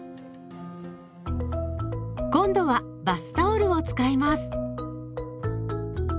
今度はバスタオルを使います。